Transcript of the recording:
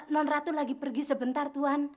non ratu lagi pergi sebentar tuhan